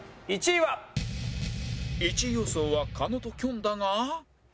１位予想は狩野ときょんだが